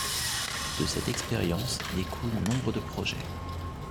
De cette expérience découlent nombre de projet.